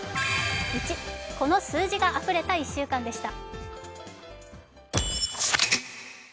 「１」この数字があふれた１週間でした。